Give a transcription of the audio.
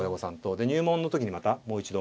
で入門の時にまたもう一度。